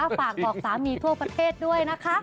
ไม่อยากบอกรอกสามีทั่วประเทศด้วยนะคะ